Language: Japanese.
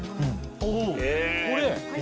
これ！